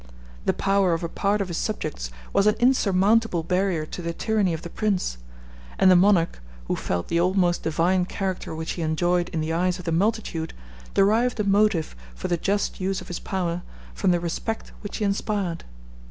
The power of a part of his subjects was an insurmountable barrier to the tyranny of the prince; and the monarch, who felt the almost divine character which he enjoyed in the eyes of the multitude, derived a motive for the just use of his power from the respect which he inspired.